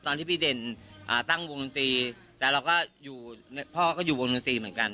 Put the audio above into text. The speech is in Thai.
ตอนที่พี่เด่นตั้งวงดนตรีแต่เราก็อยู่พ่อก็อยู่วงดนตรีเหมือนกัน